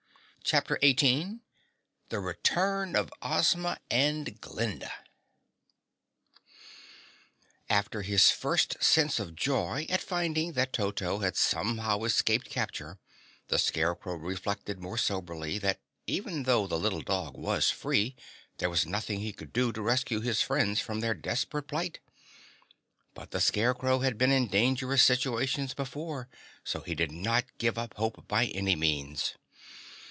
CHAPTER 18 The Return of Ozma and Glinda After his first sense of joy at finding that Toto had somehow escaped capture, the Scarecrow reflected more soberly that even though the little dog was free there was nothing he could do to rescue his friends from their desperate plight. But the Scarecrow had been in dangerous situations before, so he did not give up hope by any means.